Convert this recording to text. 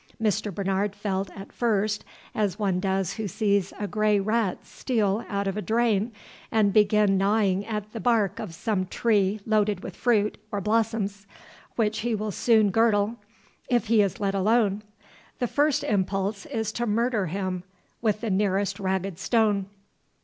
Mr. Bernard felt, at first, as one does who sees a gray rat steal out of a drain and begin gnawing at the bark of some tree loaded with fruit or blossoms, which he will soon girdle, if he is let alone. The first impulse is to murder him with the nearest ragged stone.